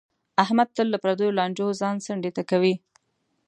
احمد تل له پردیو لانجو ځان څنډې ته کوي.